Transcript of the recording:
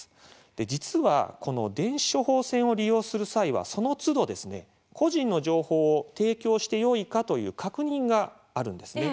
実は、電子処方箋を利用する際はそのつど、個人の情報を提供してよいかという確認があるんですね。